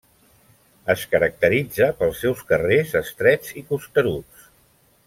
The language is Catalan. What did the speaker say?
Es caracteritza pels seus carrers estrets i costeruts.